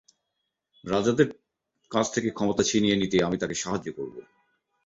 রাজাদের কাছ থেকে ক্ষমতা ছিনিয়ে নিতে, আমি তাকে সাহায্য করব।